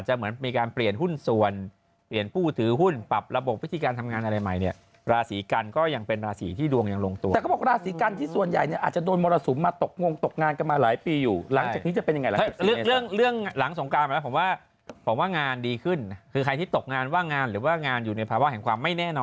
จะเริ่มมีการเปลี่ยนแปลงใหม่ใหม่ดีไหมคุณว่าดีไหมคุณว่าดีขึ้นไหมอาจารย์ค่ะ